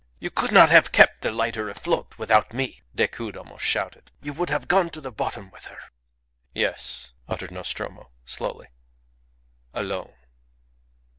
"You could not have kept the lighter afloat without me," Decoud almost shouted. "You would have gone to the bottom with her." "Yes," uttered Nostromo, slowly; "alone."